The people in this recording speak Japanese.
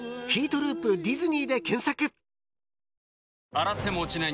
洗っても落ちない